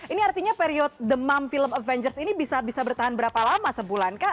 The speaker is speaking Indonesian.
ini artinya period the mom film avengers ini bisa bertahan berapa lama sebulan kak